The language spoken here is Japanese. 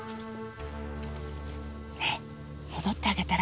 ねえ戻ってあげたら？